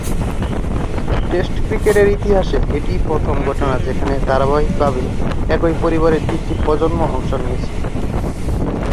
Test ক্রিকেটের ইতিহাসে এটিই প্রথম ঘটনা যেখানে ধারাবাহিকভাবে একই পরিবারের তিনটি প্রজন্ম অংশ নিয়েছে।